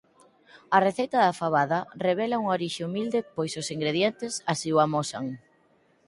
A receita da fabada revela unha orixe humilde pois os ingredientes así o amosan.